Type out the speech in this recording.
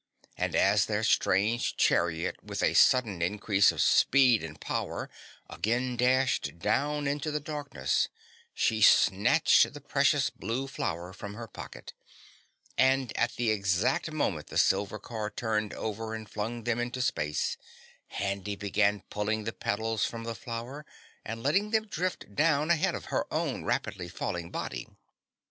And as their strange chariot with a sudden increase of speed and power again dashed down into the darkness, she snatched the precious blue flower from her pocket and at the exact moment the silver car turned over and flung them into space, Handy began pulling the petals from the flower and letting them drift down ahead of her own rapidly falling body.